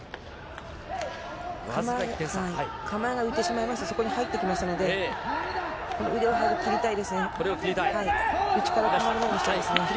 構えが浮いてしまいますと、そこに入ってきますので、これを切りたい。